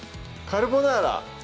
カルボナーラ！